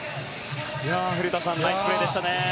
古田さんナイスプレーでしたね。